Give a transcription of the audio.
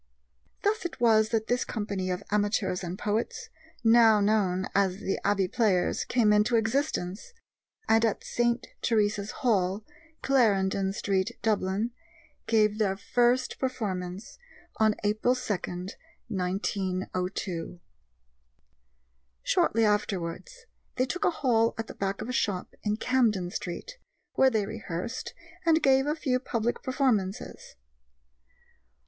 Thus it was that this company of amateurs and poets, now known as the Abbey Players, came into existence, and at St. Teresa's Hall, Clarendon Street, Dublin, gave their first performance on April 2, 1902. Shortly afterwards they took a hall at the back of a shop in Camden Street, where they rehearsed and gave a few public performances.